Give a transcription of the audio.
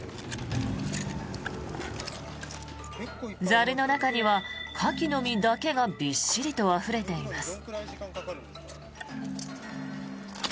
ザルの中にはカキの身だけがびっしりとあふれています。